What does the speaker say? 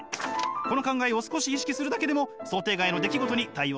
この考えを少し意識するだけでも想定外の出来事に対応しやすくなりますよ！